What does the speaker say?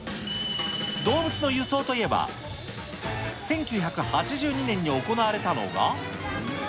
動物の輸送といえば、１９８２年に行われたのが。